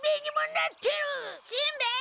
しんべヱ！